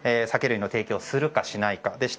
酒類の提供をするかしないか。